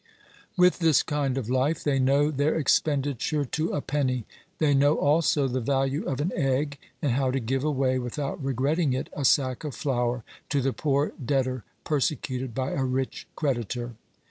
With this kind of life they know their expenditure to a penny. They know also the value of an egg, and how to give away, without regretting it, a sack of flour to the poor debtor persecuted by a rich creditor.